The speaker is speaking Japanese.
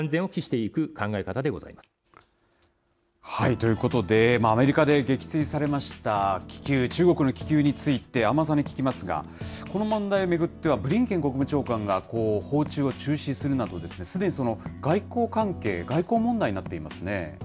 ということで、アメリカで撃墜されました気球、中国の気球について、安間さんに聞きますが、この問題を巡っては、ブリンケン国務長官が訪中を中止するなど、すでに外交関係、外交問題になっていますね。